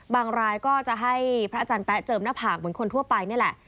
รายก็จะให้พระอาจารย์แป๊ะเจิมหน้าผากเหมือนคนทั่วไปนี่แหละ